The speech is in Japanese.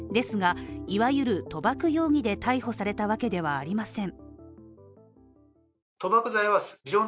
ですが、いわゆる賭博容疑で逮捕されたわけではありません。